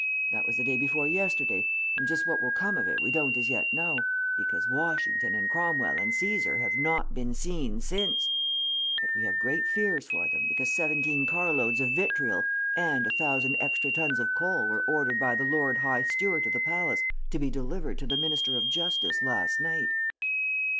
That was the day before yesterday, and just what will come of it we don't as yet know, because Washington and Cromwell and Caesar have not been seen since, but we have great fears for them, because seventeen car loads of vitriol and a thousand extra tons of coal were ordered by the Lord High Steward of the palace to be delivered to the Minister of Justice last night."